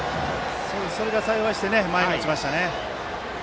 それが幸いして前に落ちました。